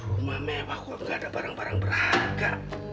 rumah mewah kok nggak ada barang barang berharga